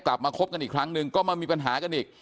กลับมาคบกันอีกครั้งนึงก็มีปัญหากันอีก